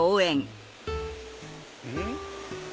うん？